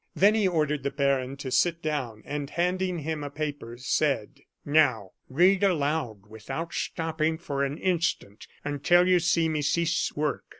Then he ordered the baron to sit down, and handing him a paper, said: "Now read aloud, without stopping for an instant, until you see me cease work."